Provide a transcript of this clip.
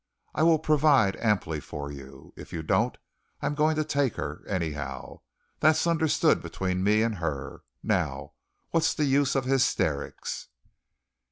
I will provide amply for you. If you don't I'm going to take her, anyhow. That's understood between me and her. Now what's the use of hysterics?"